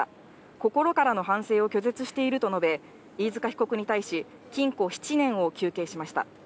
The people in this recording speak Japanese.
心からの反省を拒絶していると述べ、飯塚被告に対し禁錮７年を求刑しました。